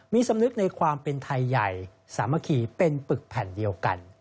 มีสำนึกในความเป็นไทยใหญ่สามัคคีเป็นปึกแผ่นเดียวกัน